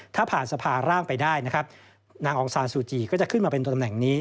ถ้าผ่านสภาร่างไปได้นะครับนางองซานซูจีก็จะขึ้นมาเป็นตัวตำแหน่งนี้